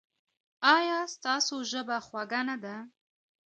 ایا ستاسو ژبه خوږه نه ده؟